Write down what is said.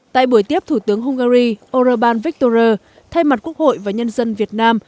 tại buổi tiếp thủ tướng hungary orbán viktor thay mặt quốc hội và nhân dân việt nam